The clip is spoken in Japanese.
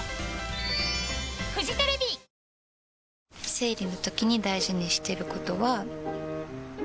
生理のときに大事にしてることは。